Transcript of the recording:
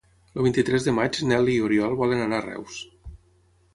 El vint-i-tres de maig en Nel i n'Oriol volen anar a Reus.